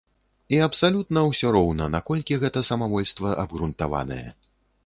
І абсалютна ўсё роўна, наколькі гэта самавольства абгрунтаванае.